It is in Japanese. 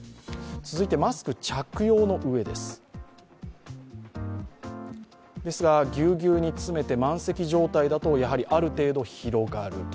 続いて、マスク着用のうえですが、ぎゅうぎゅうに詰めて満席状態だとやはりある程度広がる。